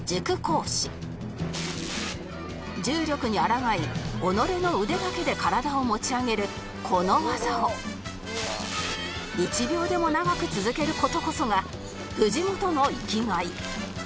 重力に抗い己の腕だけで体を持ち上げるこの技を１秒でも長く続ける事こそが藤本の生きがい